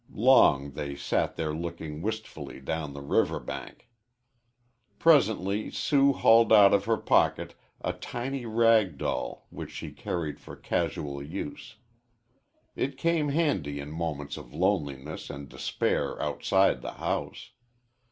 Long they sat there looking wistfully down the river bank. Presently Sue hauled out of her pocket a tiny rag doll which she carried for casual use. It came handy in moments of loneliness and despair outside the house.